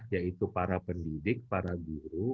yaitu para pendidik para guru